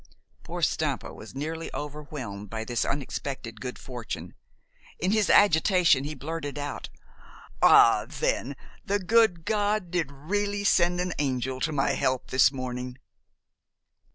Poor Stampa was nearly overwhelmed by this unexpected good fortune. In his agitation he blurted out, "Ah, then, the good God did really send an angel to my help this morning!"